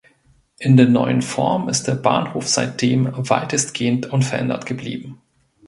In der neuen Form ist der Bahnhof seitdem weitestgehend unverändert geblieben.